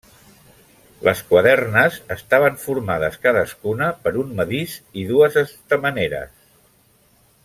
Les quadernes estaven formades cadascuna per un medís i dues estameneres.